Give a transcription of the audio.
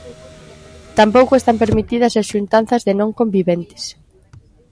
Tampouco están permitidas as xuntanzas de non conviventes.